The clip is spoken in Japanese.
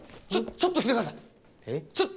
ちょっと来てください！